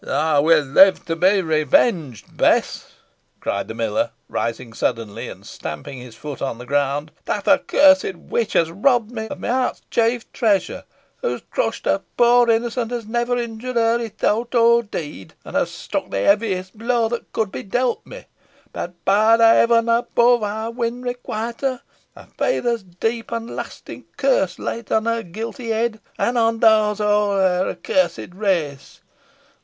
"Ey win live to be revenged, Bess," cried the miller, rising suddenly, and stamping his foot on the ground, "that accursed witch has robbed me o' my' eart's chief treasure hoo has crushed a poor innocent os never injured her i' thowt or deed an has struck the heaviest blow that could be dealt me; but by the heaven above us ey win requite her! A feyther's deep an lasting curse leet on her guilty heoad, an on those of aw her accursed race.